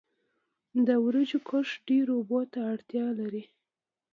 د وریجو کښت ډیرو اوبو ته اړتیا لري.